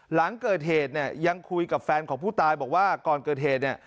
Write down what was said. หลังเกิดเหตุเนี่ยยังคุยกับแฟนของผู้ตายบอกว่าก่อนเกิดเหตุเนี่ย